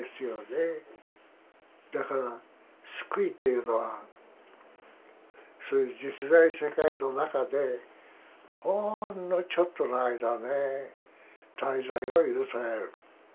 だから救いというのはそういう実在世界の中でほんのちょっとの間ね滞在を許される。